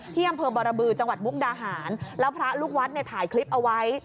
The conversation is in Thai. ที่อำเภอบรบือจังหวัดมุกดาหารแล้วพระลูกวัดเนี่ยถ่ายคลิปเอาไว้